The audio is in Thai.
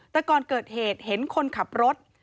แต่ก่อนเกิดเหตุเห็นคนขับรถ